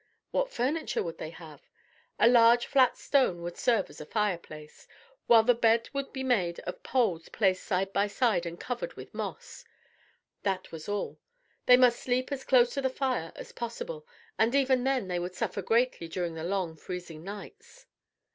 What furniture would they have? A large, flat stone would serve as a fireplace, while the bed would be made of poles placed side by side and covered with moss. That was all. They must sleep as close to the fire as possible, and even then they would suffer greatly during the long, freezing nights.